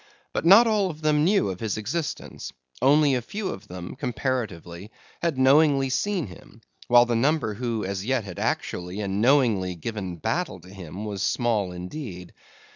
But not all of them knew of his existence; only a few of them, comparatively, had knowingly seen him; while the number who as yet had actually and knowingly given battle to him, was small indeed.